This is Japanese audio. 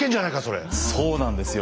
そうなんですよ。